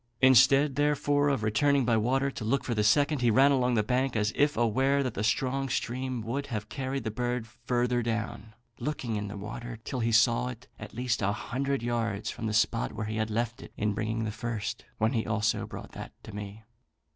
Instead, therefore, of returning by water to look for the second, he ran along the banks, as if aware that the strong stream would have carried the bird further down; looking in the water till he saw it, at least a hundred yards from the spot where he had left it in bringing the first; when he also brought that to me.